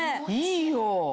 いいよ。